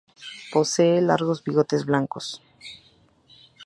Posee largos bigotes blancos.